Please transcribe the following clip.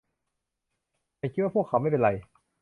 ฉันคิดว่าพวกเขาไม่เป็นไร